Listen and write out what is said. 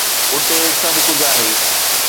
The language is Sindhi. اتي سڀ ڪجهه آهي.